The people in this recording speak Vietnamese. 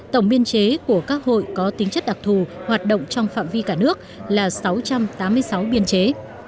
tổng biên chế của các hội có tính chất đặc thù hoạt động trong phạm vi cả nước là sáu trăm tám mươi sáu biên chế